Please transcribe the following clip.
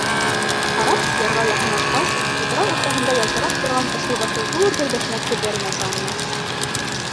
Карап ярға яҡынлашҡас, утрау уртаһында ялтырап торған осло башлы ҙур бер бәшмәк күҙҙәренә салына.